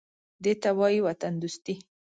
_دې ته وايي وطندوستي.